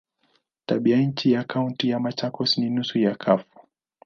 Tabianchi ya Kaunti ya Machakos ni nusu kavu.